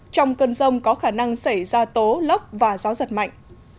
trong cơn rông có khả năng xảy ra tố lốc và gió giật mạnh